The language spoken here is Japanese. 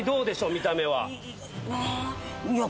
見た目は。